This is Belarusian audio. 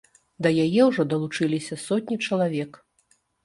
Да яе ўжо далучыліся сотні чалавек.